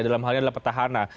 dalam halnya adalah petahana